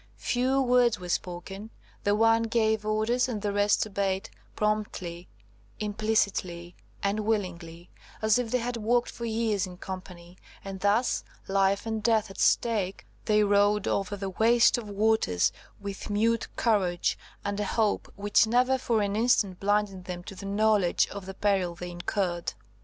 Few words were spoken; the one gave orders, and the rest obeyed–promptly, implicitly, and willingly, as if they had worked for years in company; and thus, life and death at stake, they rowed over the waste of waters with mute courage, and a hope which never for an instant blinded them to the knowledge of the peril they incurred.